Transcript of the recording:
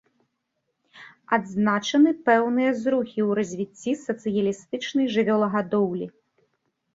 Адзначаны пэўныя зрухі ў развіцці сацыялістычнай жывёлагадоўлі.